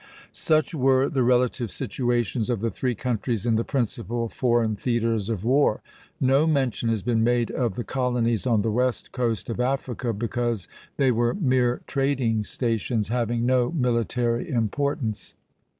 Such were the relative situations of the three countries in the principal foreign theatres of war. No mention has been made of the colonies on the west coast of Africa, because they were mere trading stations having no military importance.